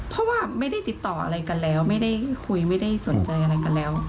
เพราะว่าไม่ได้ติดต่ออะไรกันแล้วไม่ได้คุยไม่ได้สนใจอะไรกันแล้ว